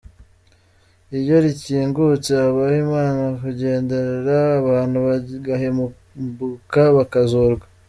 Iyo rikingutse habaho Imana kugenderera abantu, bagahembuka, bakazurwa.